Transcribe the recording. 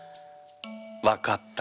分かった。